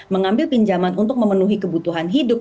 mengambil pinjaman untuk memenuhi kebutuhan hidup